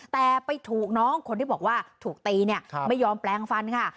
แต่ไปถูกน้องคนที่บอกว่าถูกตีเนี่ยไม่ยอมแปลงฟันค่ะ